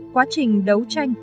quá trình đấu tranh